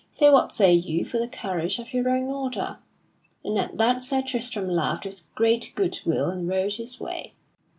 So what say you for the courage of your own order?" And at that Sir Tristram laughed with great good will and rode his way.